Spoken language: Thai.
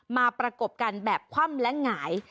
ประกบกันแบบคว่ำและหงาย